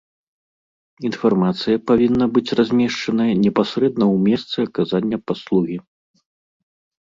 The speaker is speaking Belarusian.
Інфармацыя павінна быць размешчаная непасрэдна ў месцы аказання паслугі.